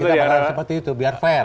kita berharap seperti itu biar fair